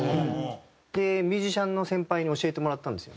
でミュージシャンの先輩に教えてもらったんですよ。